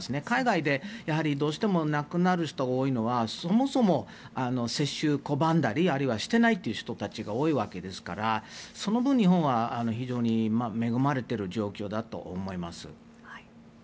海外でどうしても亡くなる人が多いのはそもそも接種を拒んだりあるいはしていないという人が多いわけですからその分、日本は非常に恵まれている状況だと思います。